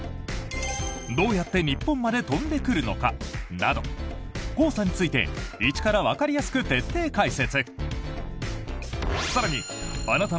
どうやって日本まで飛んでくるのか？など黄砂について一からわかりやすく徹底解説。